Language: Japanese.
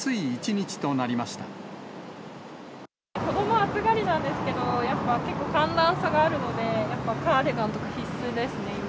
子ども暑がりなんですけど、やっぱ、結構寒暖差があるので、やっぱカーディガンとか必須ですね、今。